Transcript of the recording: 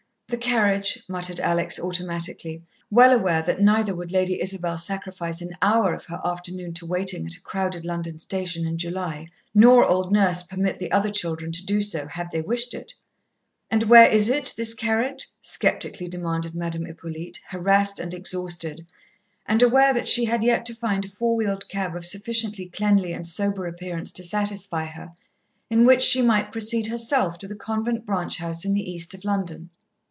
"The carriage," muttered Alex automatically, well aware that neither would Lady Isabel sacrifice an hour of her afternoon to waiting at a crowded London station in July, nor old Nurse permit the other children to do so, had they wished it. "And where is it, this carriage?" sceptically demanded Madame Hippolyte, harassed and exhausted, and aware that she had yet to find a four wheeled cab of sufficiently cleanly and sober appearance to satisfy her, in which she might proceed herself to the convent branch house in the east of London.